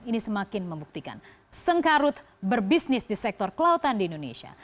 ini semakin membuktikan sengkarut berbisnis di sektor kelautan di indonesia